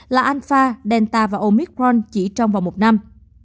là alpha delta và omicron chỉ trong một năm